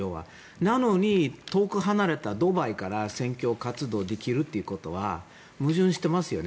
なのに、遠く離れたドバイから選挙活動できるということは矛盾してますよね。